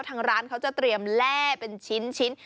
ทางร้านเขาจะเตรียมแร่เป็นชิ้น